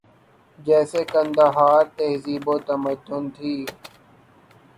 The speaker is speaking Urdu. جیسے قندھارا تہذیب و تمدن تھی